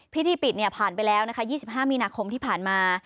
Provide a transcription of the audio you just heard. พิธีปิดเนี่ยผ่านไปแล้วนะคะยี่สิบห้ามีนาคมที่ผ่านมา